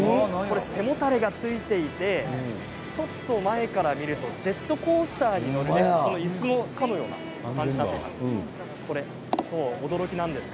背もたれがついていてちょっと前から見るとジェットコースターに乗るような感じなんです。